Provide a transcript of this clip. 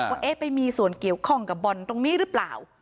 ว่าเอ๊ะไปมีส่วนเกี่ยวข้องกับบ่อนตรงนี้หรือเปล่า